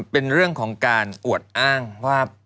เป็นเรื่องของการอวดอ้างว่า